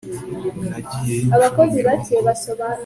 nagiyeyo inshuro mirongo